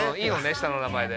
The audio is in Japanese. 下の名前で。